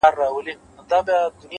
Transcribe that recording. فکر روښانه وي، ژوند روښانه وي